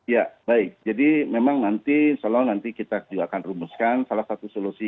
ya baik jadi memang nanti insya allah nanti kita juga akan rumuskan salah satu solusi